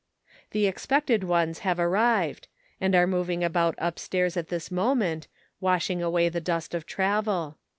The expected ones have arrived, and are moving about up stairs at this moment, wash ing away the dust of travel.